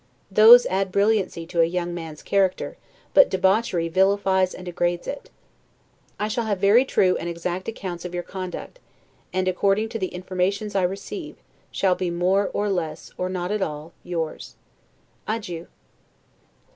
Those add brilliancy to a young man's character; but debauchery vilifies and degrades it. I shall have very true and exact accounts of your conduct; and, according to the informations I receive, shall be more, or less, or not at all, yours. Adieu.